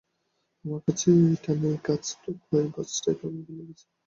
আমার কাছে এটা নেই কাজ তো খই ভাজ টাইপের মুভি লেগেছে।